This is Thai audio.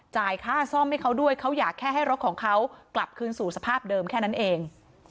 จ่ายค่าซ่อมให้เขาด้วยเขาอยากแค่ให้รถของเขากลับคืนสู่สภาพเดิมแค่นั้นเอง